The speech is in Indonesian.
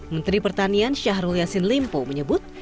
menteri pertanian syahrul yassin limpo menyebut